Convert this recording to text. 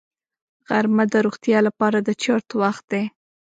غرمه د روغتیا لپاره د چرت وخت دی